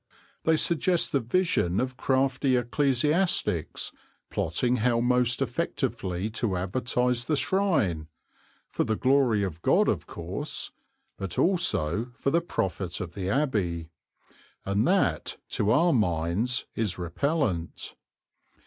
They suggest the vision of crafty ecclesiastics plotting how most effectively to advertise the shrine, for the glory of God of course, but also for the profit of the abbey; and that, to our minds, is repellent.